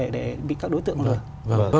để bị các đối tượng lừa